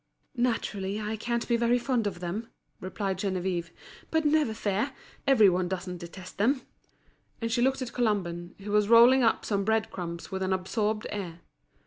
"Naturally I can't be very fond of them," replied Geneviève. "But never fear, every one doesn't detest them." And she looked at Colomban, who was rolling up some bread crumbs with an absorbed air.